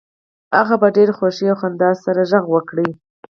هغه په ډیره خوښۍ او خندا سره غږ وکړ